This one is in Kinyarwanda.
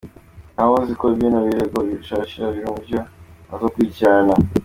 Ntawuzi ko bino birego bishasha biri mu vyo bazokurikirana.